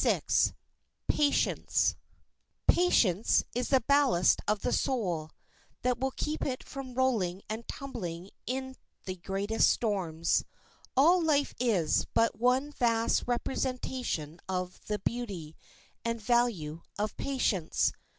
] Patience is the ballast of the soul, that will keep it from rolling and tumbling in the greatest storms. All life is but one vast representation of the beauty and value of patience.